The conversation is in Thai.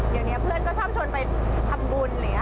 เดี๋ยวนี้เพื่อนก็ชอบชนไปทำบุญ